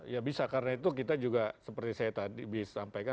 ya bisa karena itu kita juga seperti saya tadi sampaikan